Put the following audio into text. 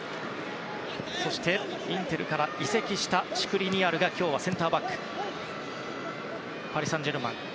そして、インテルから移籍したシュクリニアルが今日はセンターバック。